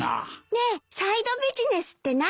ねえサイドビジネスって何？